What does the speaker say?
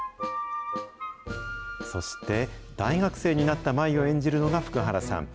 そして、大学生になった舞を演じるのが福原さん。